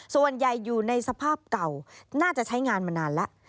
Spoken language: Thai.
ส่วนใหญ่อยู่ในสภาพเก่าน่าจะใช้งานมานานแล้ว